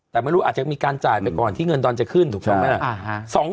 แต่ไม่รู้อาจจะมีการจ่ายไปก่อนที่เงินดอนจะขึ้นถูกต้องไหมล่ะ